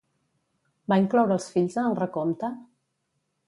Va incloure els fills en el recompte?